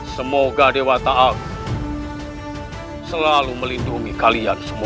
semoga dewa ta'ang selalu melindungi kalian semua